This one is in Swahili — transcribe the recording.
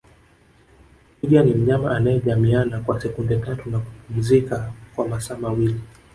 Twiga ni mnyama anayejamiiana kwa sekunde tatu na kupumzika kwa masaa mawili